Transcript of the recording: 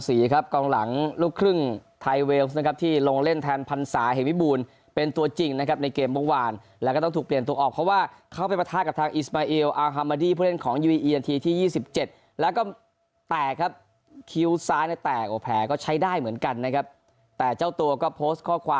วิก้าชูนวัน๔ครับกลางหลังลูกครึ่งไทยเวลส์นะครับที่ลงเล่นแทนพันศาเหตุวิบูรณ์เป็นตัวจริงนะครับในเกมวงวานแล้วก็ต้องถูกเปลี่ยนตรงออกเพราะว่าเข้าไปประทานกับทางอิสมัยเอลอาร์ฮามาดี้เพื่อเล่นของยูอีอีอันทีที่๒๗แล้วก็แตกครับคิ้วซ้ายแตกแผลก็ใช้ได้เหมือนกันนะครับแต่เจ้าตัวก็โพสต